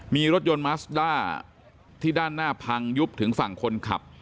มีรถยนต์มัสด้าที่ด้านหน้าพังยุบถึงฝั่งคนขับ